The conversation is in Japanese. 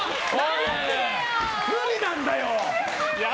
無理なんだよ！